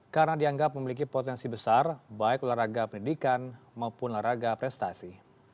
karena dianggap memiliki potensi besar baik olahraga pendidikan maupun olahraga prestasi